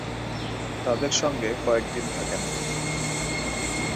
তাদের সঙ্গে কয়েক দিন থাকেন।